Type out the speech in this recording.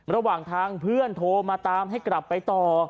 ระหว่างทางเพื่อนโทรมาตามให้กลับไปต่อ